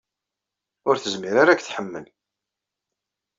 Ur tezmir ara ad k-tḥemmel.